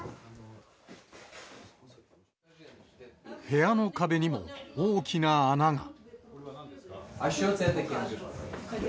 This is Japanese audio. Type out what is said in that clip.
部屋の壁にも大きな穴が。